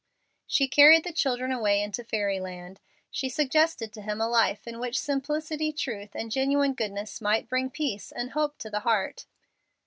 She carried the children away into fairy land. She suggested to him a life in which simplicity, truth, and genuine goodness might bring peace and hope to the heart.